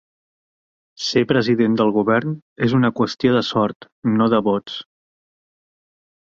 Ser president del Govern és una qüestió de sort no de vots.